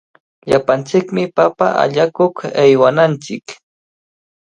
Llapanchikmi papa allakuq aywananchik.